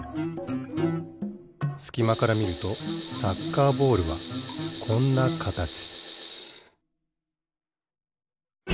すきまからみるとサッカーボールはこんなかたち